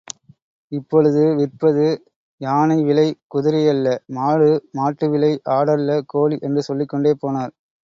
இப்பொழுது விற்பது— யானை விலை குதிரையல்ல மாடு மாட்டு விலை ஆடல்ல கோழி என்று சொல்லிக் கொண்டே போனார்.